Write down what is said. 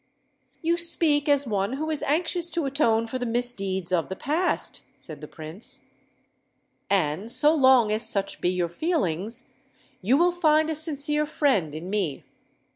"You speak as one who is anxious to atone for the misdeeds of the past," said the Prince; "and so long as such be your feelings, you will find a sincere friend in me.